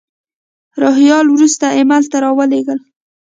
روهیال وروسته ایمیل ته را ولېږل.